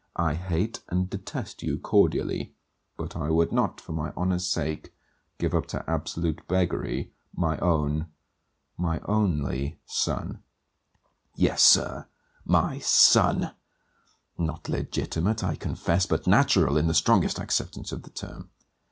I hate and detest you cordially; but I would not, for my honour's sake, give up to absolute beggary, my own my only son. Yes, sir, my son. Not legitimate, I confess, but natural in the strongest acceptance of the term.